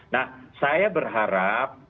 nah saya berharap